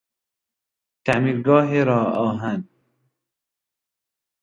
تعمیرگاه راه آهن